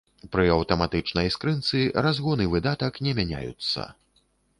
Пры аўтаматычнай скрынцы разгон і выдатак не мяняюцца.